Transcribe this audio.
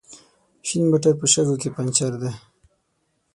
شين موټر په شګو کې پنچر دی